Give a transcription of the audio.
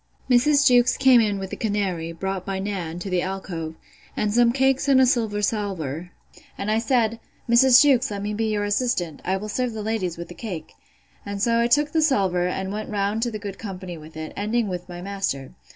Mrs. Jewkes came in with the canary, brought by Nan, to the alcove, and some cakes on a silver salver; and I said, Mrs. Jewkes, let me be your assistant; I will serve the ladies with the cake. And so I took the salver, and went round to the good company with it, ending with my master.